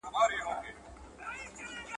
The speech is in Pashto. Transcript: راځه ولاړ سه له نړۍ د انسانانو !.